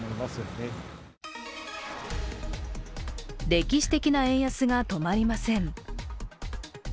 歴史的な円安が止まりません。